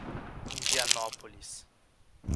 Indianópolis